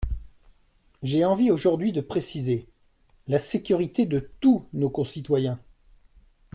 J’ai envie aujourd’hui de préciser : la sécurité de « tous » nos concitoyens.